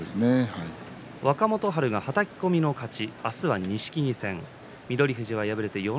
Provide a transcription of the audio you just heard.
若元春が、はたき込みの勝ち。